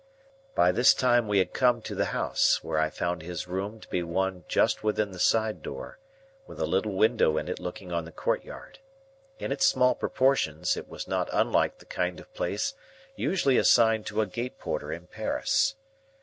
By this time we had come to the house, where I found his room to be one just within the side door, with a little window in it looking on the courtyard. In its small proportions, it was not unlike the kind of place usually assigned to a gate porter in Paris.